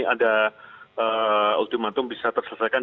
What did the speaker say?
ada ultimatum bisa terselesaikan